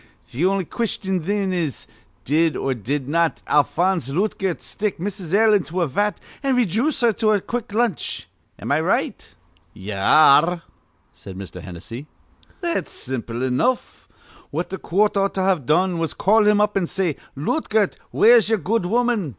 Th' on'y question, thin, is Did or did not Alphonse Lootgert stick Mrs. L. into a vat, an' rayjooce her to a quick lunch? Am I right?" "Ye ar re," said Mr. Hennessy. "That's simple enough. What th' coort ought to've done was to call him up, an' say: 'Lootgert, where's ye'er good woman?'